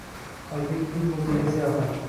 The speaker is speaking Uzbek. Oybek uy-muzeyiga sayohat